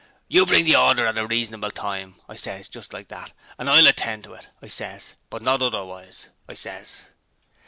"You bring the horder at a reasonable time," I ses just like that "and I'll attend to it," I ses, "but not otherwise," I ses.'